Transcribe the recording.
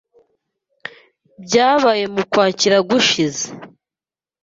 Byabaye mu Kwakira gushize.